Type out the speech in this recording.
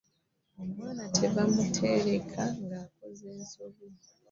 Omwana tebamutereka ng'akoze ensobi.